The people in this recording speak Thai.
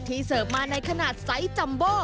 เสิร์ฟมาในขนาดไซส์จัมโบ